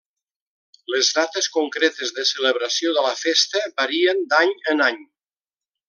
Les dates concretes de celebració de la festa varien d'any en any.